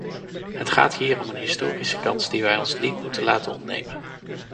Het gaat hier om een historische kans die wij ons niet moeten laten ontnemen.